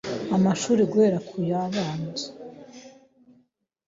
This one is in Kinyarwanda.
Amashuri guhera ku y’abanza,